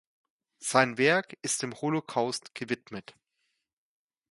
Sein Werk ist dem Holocaust gewidmet.